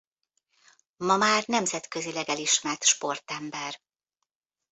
Ma már nemzetközileg elismert sportember.